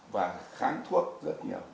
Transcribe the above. và kháng thuốc rất nhiều